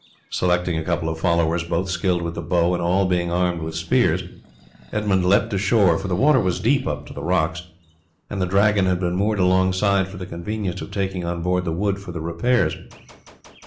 Selecting a couple of followers, both skilled with the bow, and all being armed with spears, Edmund leapt ashore, for the water was deep up to the rocks, and the Dragon had been moored alongside for the convenience of taking on board the wood for the repairs.